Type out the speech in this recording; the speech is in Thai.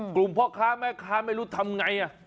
พ่อค้าแม่ค้าไม่รู้ทำไง